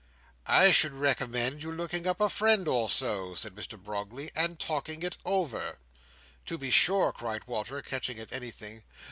"I should recommend you looking up a friend or so," said Mr Brogley, "and talking it over." "To be sure!" cried Walter, catching at anything.